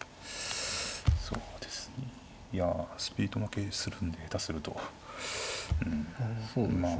そうですねいやスピード負けするんで下手するとうんまあ。